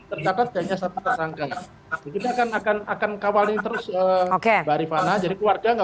terdapat hanya satu terangkan akan akan akan kawalin terus oke barifana jadi keluarga nggak